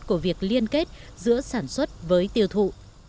của việc liên kết giữa sản xuất với tiêu thụ